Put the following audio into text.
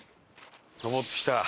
上ってきた。